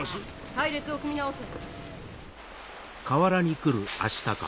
隊列を組み直せ。